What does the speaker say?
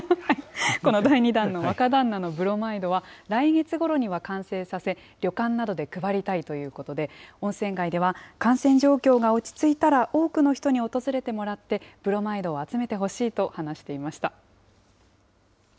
この第２弾の若旦那のブロマイドは、来月ごろには完成させ、旅館などで配りたいということで、温泉街では感染状況が落ち着いたら、多くの人に訪れてもらって、ブロマイドを集めてほしいと話していました。